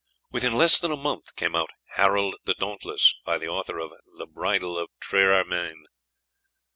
Within less than a month came out "Harold the Dauntless," by the author of "The Bridal of Triermain."